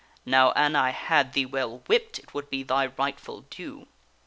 Now, an I had thee well whipped, it would be thy rightful due.